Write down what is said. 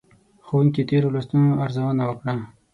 ښوونکي تېرو لوستونو ارزونه وکړه.